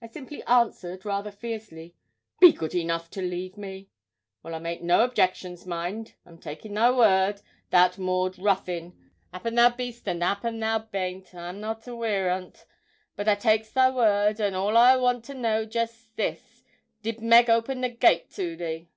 I simply answered, rather fiercely, 'Be good enough to leave me.' 'Well, I make no objections, mind. I'm takin' thy word thou'rt Maud Ruthyn 'appen thou be'st and 'appen thou baint. I'm not aweer on't, but I takes thy word, and all I want to know's just this, did Meg open the gate to thee?'